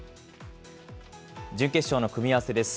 準決勝の組み合わせです。